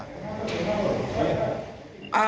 pertanyaan pertama apakah data itu bisa dihentikan